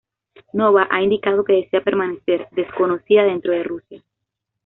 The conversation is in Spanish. Nova ha indicado que desea permanecer "desconocida" dentro de Rusia.